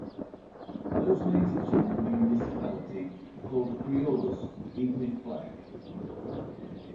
Those native to the municipality are called criollos even if black.